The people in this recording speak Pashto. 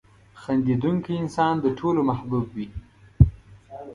• خندېدونکی انسان د ټولو محبوب وي.